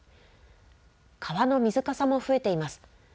川の水かさも増えています。